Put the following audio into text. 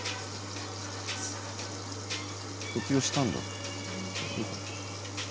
卒業したんだ。